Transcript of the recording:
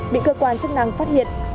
bị cơ quan chức năng phát hiện